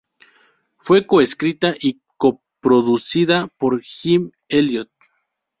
Fue coescrita y coproducida por Jim Elliot.